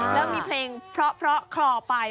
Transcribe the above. แล้วมีเพลงเพราะคลอไป